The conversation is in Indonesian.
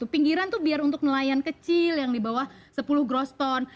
pinggiran tuh biar untuk nelayan kecil yang di bawah sepuluh groston